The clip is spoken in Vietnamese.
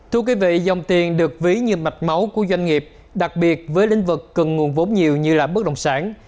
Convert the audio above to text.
thưa quý vị dòng tiền được ví như mạch máu của doanh nghiệp đặc biệt với lĩnh vực cần nguồn vốn nhiều như là bất đồng sản